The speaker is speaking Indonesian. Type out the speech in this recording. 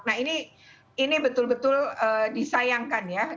nah ini betul betul disayangkan ya